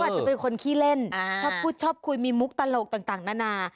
อาจจะเป็นคนขี้เล่นชอบพูดชอบคุยมีมุกตลกต่างนานา